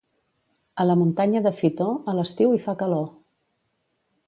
A la muntanya de Fitor, a l'estiu hi fa calor.